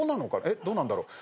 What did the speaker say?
えっどうなんだろう。